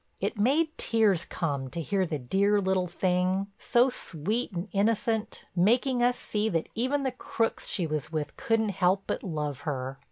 It made tears come to hear the dear little thing, so sweet and innocent, making us see that even the crooks she was with couldn't help but love her.